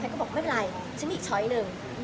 ก็บอกไม่เป็นไรฉันมีอีกช้อยหนึ่ง